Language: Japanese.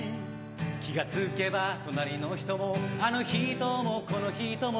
気が付けば隣の人もあの人もこの人も